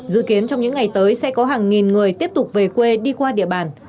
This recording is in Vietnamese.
dự kiến trong những ngày tới sẽ có hàng nghìn người tiếp tục về quê đi qua địa bàn